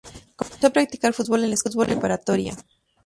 Comenzó a practicar fútbol en la escuela preparatoria.